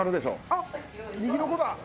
あっ右の子だ！